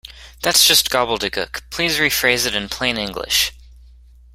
That’s just gobbledegook! Please rephrase it in plain English